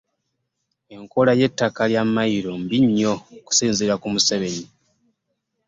Enkola y'ettaka lya Mayiro mbi nnyo, okusinziira ku Museveni